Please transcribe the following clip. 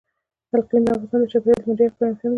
اقلیم د افغانستان د چاپیریال د مدیریت لپاره مهم دي.